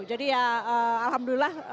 jadi ya alhamdulillah